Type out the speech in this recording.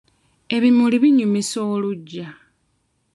Ebimuli binyumisa oluggya.